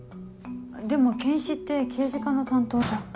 でも検視って刑事課の担当じゃ。